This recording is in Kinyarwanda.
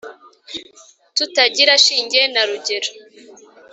Tutagira shinge na rugero